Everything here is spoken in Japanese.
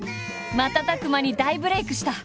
瞬く間に大ブレイクした。